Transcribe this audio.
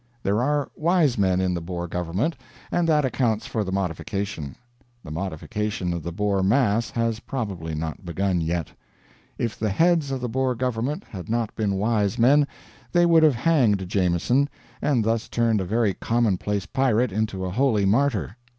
There are wise men in the Boer government, and that accounts for the modification; the modification of the Boer mass has probably not begun yet. If the heads of the Boer government had not been wise men they would have hanged Jameson, and thus turned a very commonplace pirate into a holy martyr.